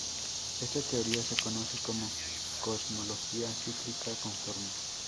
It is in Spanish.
Esta teoría se conoce como cosmología cíclica conforme.